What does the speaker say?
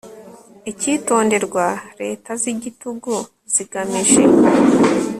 icyitonderwa leta z'igitugu zigamije